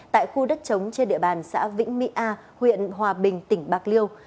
tại khu đất trống trên địa bàn xã vĩnh mỹ a huyện hòa bình tỉnh bạc liêu